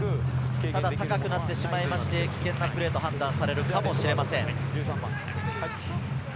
ただ高くなってしまって危険なプレーと判断されるかもしれません。